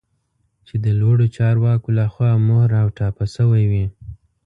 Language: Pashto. چې د لوړو چارواکو لخوا مهر او ټاپه شوی وي